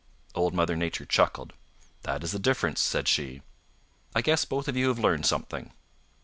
Old Mother Nature chuckled. "That is the difference," said she. "I guess both of you have learned something."